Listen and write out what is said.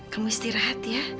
kamu istirahat ya